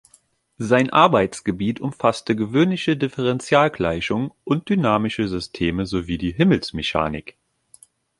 Sein Arbeitsgebiet umfasste gewöhnliche Differentialgleichungen und dynamische Systeme sowie die Himmelsmechanik.